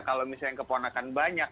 kalau misalnya keponakan banyak